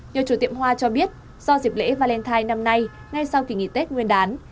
nhiều chủ tiệm hoa cho biết do dịp lễ valentine năm nay ngay sau kỳ nghỉ tết nguyên đán